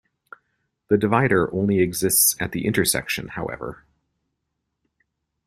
The divider only exists at the intersection, however.